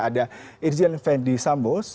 ada irjen ferdis sambos